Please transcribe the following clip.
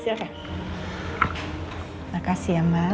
terima kasih ya ma